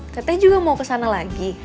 cecep juga mau kesana lagi